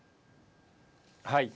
はい。